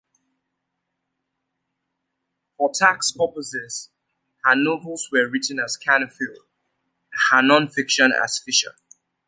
For tax purposes, her novels were written as "Canfield," her non-fiction as "Fisher.